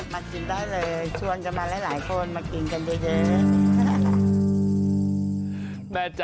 มากินได้เลยชวนกันมาหลายคนมากินกันเยอะ